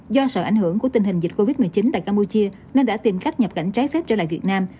do sợ ảnh hưởng của tình hình dịch covid một mươi chín tại campuchia nên đã tìm khách nhập cảnh trái phép trở lại việt nam